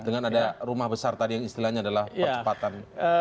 dengan ada rumah besar tadi yang istilahnya adalah percepatan